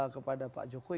kepada pak jokowi